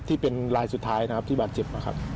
ที่เป็นลายสุดท้ายที่บาดเจ็บ